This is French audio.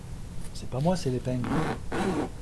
C’est pas moi… c’est l’épingle…